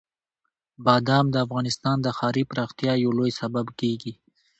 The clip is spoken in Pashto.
بادام د افغانستان د ښاري پراختیا یو لوی سبب کېږي.